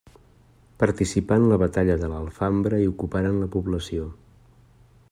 Participà en la batalla de l'Alfambra i ocuparen la població.